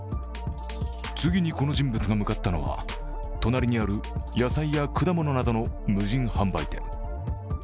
次にこの人物が向かったのは隣にある野菜や果物などの無人販売店。